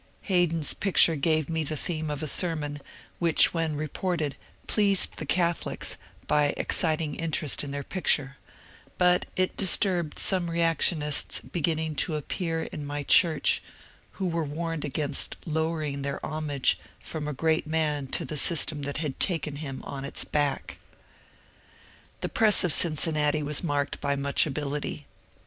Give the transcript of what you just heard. Haydon's picture gave me the theme of a sermon, which when reported pleased the Catholics by exciting interest in their picture ; but it disturbed some reactionists beginning to appear in my church, who were warned against lowering their homage from a great man to the system that had taken him on its back. The press of Cincinnati was marked by much ability.